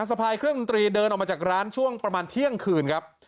พายเครื่องดนตรีเดินออกมาจากร้านช่วงประมาณเที่ยงคืนครับ